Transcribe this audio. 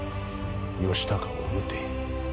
義高を討て。